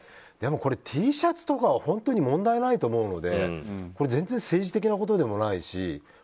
でも、これＴシャツとかは問題ないと思うので全然、政治的なことでもないし。